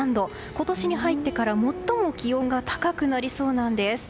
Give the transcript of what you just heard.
今年に入ってから最も気温が高くなりそうなんです。